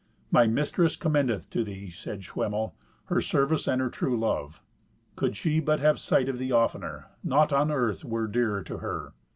"My mistress commendeth to thee," said Schwemmel, "her service and her true love. Could she but have sight of thee oftener, naught on earth were dearer to her."